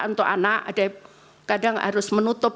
untuk anak ada kadang harus menutup